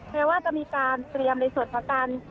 แม้ว่าก็มีการเตรียมในส่วนของการ